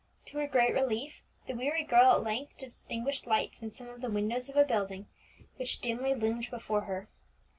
To her great relief, the weary girl at length distinguished lights in some of the windows of a building which dimly loomed before her.